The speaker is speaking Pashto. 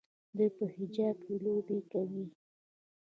دوی په حجاب کې لوبې کوي.